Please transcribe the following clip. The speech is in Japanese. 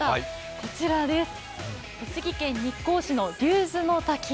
こちらです、栃木県日光市の竜頭の滝。